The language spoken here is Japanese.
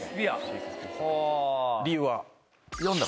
理由は？